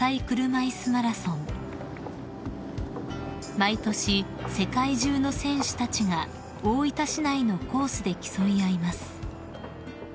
［毎年世界中の選手たちが大分市内のコースで競い合います］